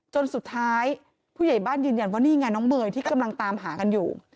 จนสุดท้ายผู้ใหญ่บ้านยืนยันว่านี่ไงน้องเมย์ที่กำลังตามหากันอยู่